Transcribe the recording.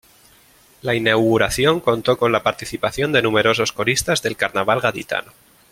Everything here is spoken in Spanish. La inauguración contó con la participación de numerosos coristas del carnaval gaditano.